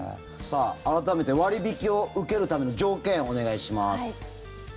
改めて割引を受けるための条件お願いします。